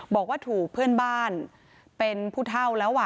บอกว่าถูกเพื่อนบ้านเป็นผู้เท่าแล้ว